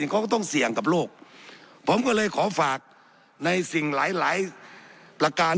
เขาก็ต้องเสี่ยงกับโลกผมก็เลยขอฝากในสิ่งหลายหลายประการ